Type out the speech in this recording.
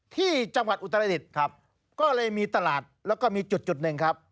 ที่จังหวัดอุตรดิษฐ์ครับก็เลยมีตลาดแล้วก็มีจุดหนึ่งครับ